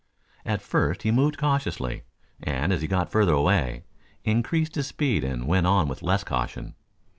At first he moved cautiously and as he got further away, increased his speed and went on with less caution.